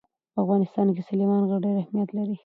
په افغانستان کې سلیمان غر ډېر اهمیت لري.